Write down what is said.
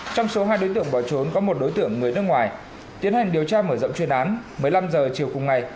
trong số hai đối tượng bỏ trốn có một đối tượng người nước ngoài tiến hành điều tra mở rộng chuyên án một mươi năm h chiều cùng ngày